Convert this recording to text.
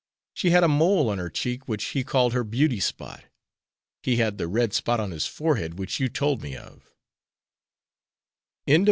She had a mole on her cheek which he called her beauty spot. He had the red spot on his forehead which you told me of."